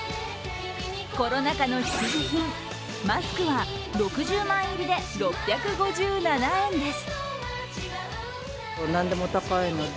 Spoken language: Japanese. コロナ禍の必需品マスクは６０枚入りで６５７円です。